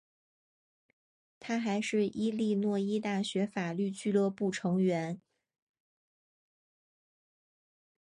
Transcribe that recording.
他还是伊利诺伊大学法律俱乐部成员。